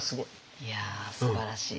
いやすばらしい。